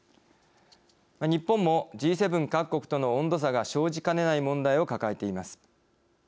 日本も、Ｇ７各国との温度差が生じかねない問題を抱えています。